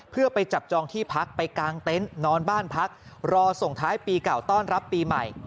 เพื่อไปจับจองที่พักไปกางเต็นต์นอนบ้านพักรอส่งท้ายปีเก่าต้อนรับปีใหม่